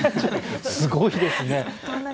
すごいですね。